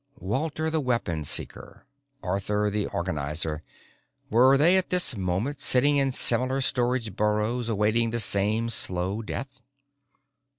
Walter the Weapon Seeker, Arthur the Organizer were they at this moment sitting in similar storage burrows awaiting the same slow death?